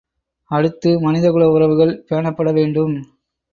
அடுத்து மனிதகுல உறவுகள் பேணப்பட வேண்டும்.